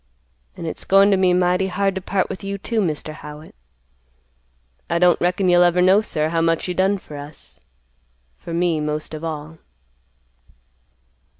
An' it's goin to be mighty hard to part with you, too, Mr. Howitt. I don't reckon you'll ever know, sir, how much you done for us; for me most of all."